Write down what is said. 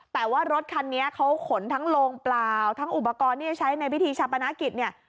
แต่ว่ารถคันนี้เขาขนทั้งโลงเปล่าทั้งอุปกรณ์ที่จะใช้ในพิธีชาปนกิจเนี่ย